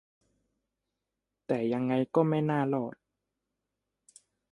แต่ยังไงก็ไม่น่ารอด